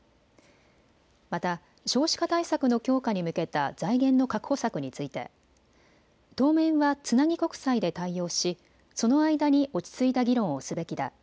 また少子化対策の強化に向けた財源の確保策について当面はつなぎ国債で対応し、その間に落ち着いた議論をすべきだ。